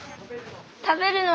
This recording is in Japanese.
食べるの？